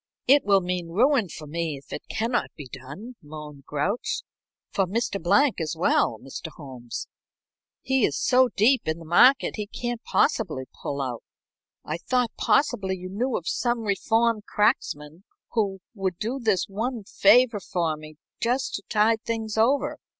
"It will mean ruin for me if it cannot be done," moaned Grouch. "For Mr. Blank as well, Mr. Holmes; he is so deep in the market he can't possibly pull out. I thought possibly you knew of some reformed cracksman who would do this one favor for me just to tide things over.